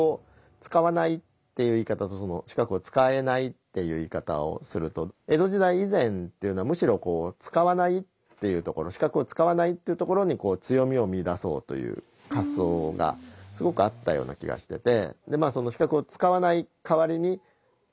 っていう言い方をすると江戸時代以前っていうのはむしろ使わないっていうところ視覚を使わないっていうところに強みを見いだそうという発想がすごくあったような気がしてて。